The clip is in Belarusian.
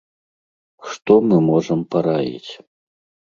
Што мы можам параіць?